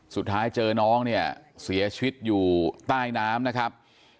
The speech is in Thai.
สุดท้ายเจอน้องเนี่ยเสียชีวิตอยู่ใต้น้ำนะครับ